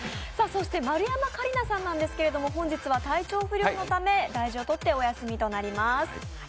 そして丸山桂里奈さんなんですが、本日は体調不良のため大事をとってお休みとなります。